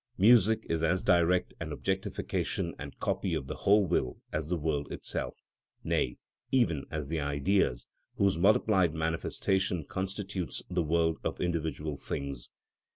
Music is as direct an objectification and copy of the whole will as the world itself, nay, even as the Ideas, whose multiplied manifestation constitutes the world of individual things.